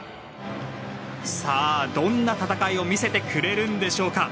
さあ、どんな戦いを見せてくれるんでしょうか。